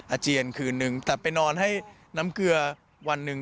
อาเจียนคืนนึงแต่ไปนอนให้น้ำเกลือวันหนึ่ง